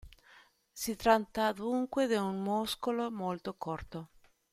Si tratta dunque di un muscolo molto corto.